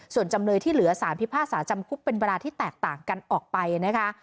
ส่วนจำเลยที่เหลือสารพิพากษาจำคุกเป็นเวลาที่แตกต่างกันออกไปนะคะ